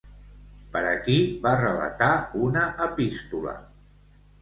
Per a qui va relatar una epístola?